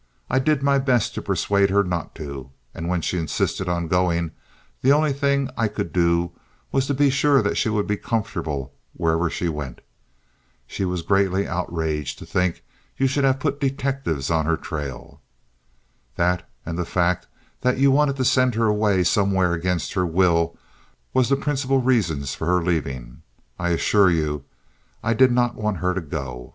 I did my best to persuade her not to, and when she insisted on going the only thing I could do was to be sure she would be comfortable wherever she went. She was greatly outraged to think you should have put detectives on her trail. That, and the fact that you wanted to send her away somewhere against her will, was the principal reasons for her leaving. I assure you I did not want her to go.